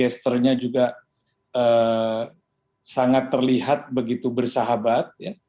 sangat terlihat begitu bersahabat